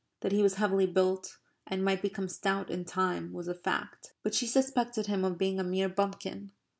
That he was heavily built and might become stout in time was a fact. But she suspected him of being a mere bumpkin.